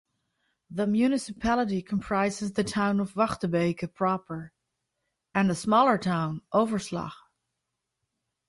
The municipality comprises the town of Wachtebeke proper, and a smaller town: Overslag.